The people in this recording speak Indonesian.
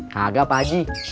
kagak pak haji